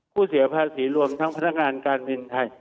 ผู้เสียภาษีรวมทั้งพนักงานการเปลี่ยนไทย